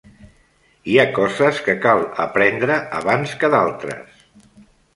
Hi ha coses que cal aprendre abans que d'altres.